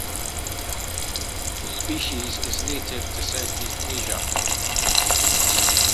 The species is native to Southeast Asia.